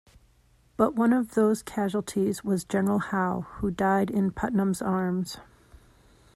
But one of those casualties was General Howe, who died in Putnam's arms.